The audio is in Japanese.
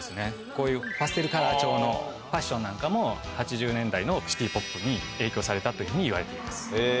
こういうパステルカラー調のファッションなんかも８０年代の。というふうにいわれています。